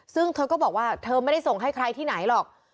ซึ่งเธอก็บอกว่าเธอไม่ได้ส่งให้ใครที่ไหนหรอก